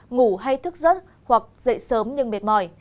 ngủ hay thức giấc hoặc dậy sớm nhưng mệt mỏi